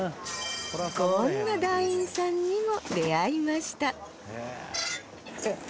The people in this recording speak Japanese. こんな団員さんにも出会いました